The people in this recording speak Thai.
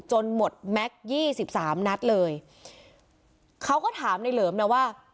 จนหมดแม็กซ์๒๓นัดเลยเขาก็ถามนายเหลิมนะว่า